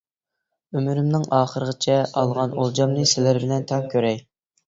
ئۆمرۈمنىڭ ئاخىرىغىچە ئالغان ئولجامنى سىلەر بىلەن تەڭ كۆرەي.